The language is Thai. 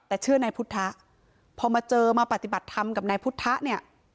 แต่เชื่อนายพุทธพอมาเจอมาปฏิบัติธรรมกับนายพุทธะเนี่ย